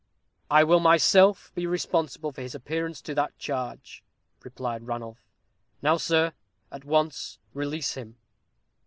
"I will myself be responsible for his appearance to that charge," replied Ranulph. "Now, sir, at once release him."